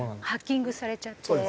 ハッキングされちゃって。